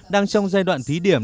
đang trong giai đoạn thí điểm